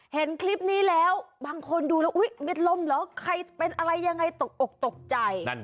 เห็นคลิปนี้แล้วบางคนดูแล้วอุ๊ยเม็ดลมเหรอใครเป็นอะไรยังไงตกอกตกใจ